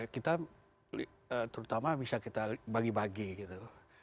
kita terutama bisa kita bagi bagi gitu